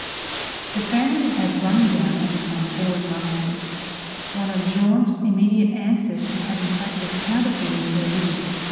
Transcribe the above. The family had run down and become poor and rascally, one of Jeanne's immediate ancestors having practiced counterfeiting for a living.